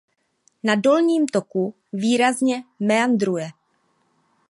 Na dolním toku výrazně meandruje.